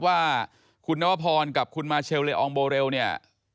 ว่าคุณนวพรกับคุณมาเชลเลองโบเรลเนี่ย